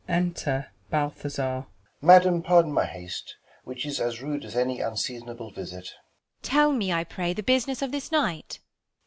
Enter Balthazar. Balt. Madam, pardon my haste, which is as rude As my unseasonable visit. Beat. Tell me, I pray, the business of this night ? Balt.